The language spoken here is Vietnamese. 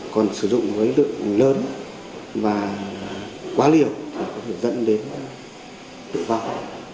còn sử dụng với lượng lớn và quá liều thì có thể dẫn đến tự vọng